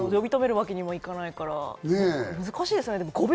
呼び止めるわけにもいかないから難しいですね。